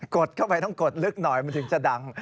ดเข้าไปต้องกดลึกหน่อยมันถึงจะดัง